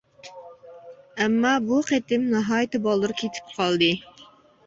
ئەمما بۇ قېتىم ناھايىتى بالدۇر كېتىپ قالدى.